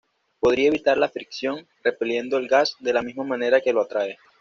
Podría evitar la fricción, repeliendo el gas de la misma manera que lo atrae.